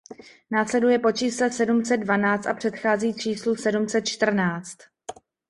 Následuje po čísle sedm set dvanáct a předchází číslu sedm set čtrnáct.